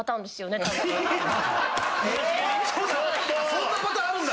そんなパターンあるんだ。